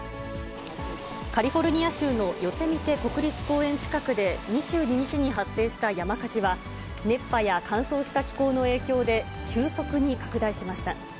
カリフォルニア州のヨセミテ国立公園近くで、２２日に発生した山火事は、熱波や乾燥した気候の影響で急速に拡大しました。